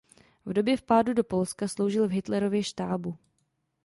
V době vpádu do Polska sloužil v Hitlerově štábu.